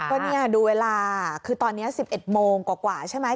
ก็เนี่ยดูเวลาคือตอนนี้๑๑โมงกว่าใช่ไหม